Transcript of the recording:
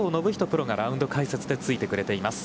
プロがラウンド解説でついてくれています。